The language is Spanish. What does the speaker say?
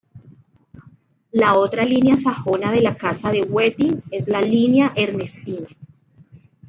La otra línea sajona de la Casa de Wettin es la Línea ernestina.